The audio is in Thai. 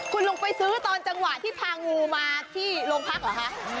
คุณลุงไปซื้อตอนจังหวะที่พางูมาที่โรงพักเหรอคะ